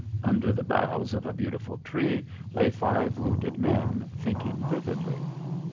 Under the boughs of a beautiful tree lay five wounded men thinking vividly.